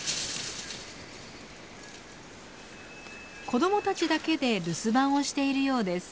子どもたちだけで留守番をしているようです。